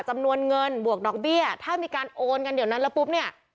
จำนวนเงินบวกดอกเบี้ยถ้ามีการโอนกันเดี๋ยวนั้นแล้วปุ๊บเนี่ย